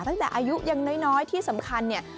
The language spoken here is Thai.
ตั้งแต่อายุยังน้อยที่สำคัญเนี่ย